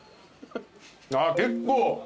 あっ結構。